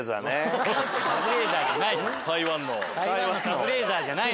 カズレーザーじゃない。